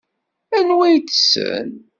Anwa i tessen?